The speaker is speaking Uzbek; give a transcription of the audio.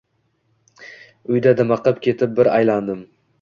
Uyda dimiqib ketib bir aylandim.